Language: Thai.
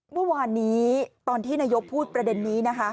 เมื่อวานนี้ตอนที่นายกพูดประเด็นนี้นะคะ